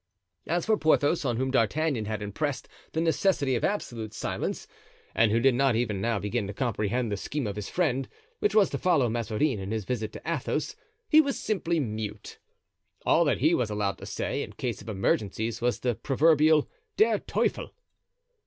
As for Porthos, on whom D'Artagnan had impressed the necessity of absolute silence and who did not even now begin to comprehend the scheme of his friend, which was to follow Mazarin in his visit to Athos, he was simply mute. All that he was allowed to say, in case of emergencies, was the proverbial Der Teufel!